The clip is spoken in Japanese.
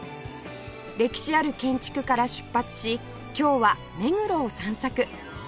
歴史ある建築から出発し今日は目黒を散策